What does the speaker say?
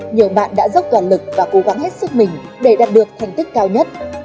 nhiều bạn đã dốc toàn lực và cố gắng hết sức mình để đạt được thành tích cao nhất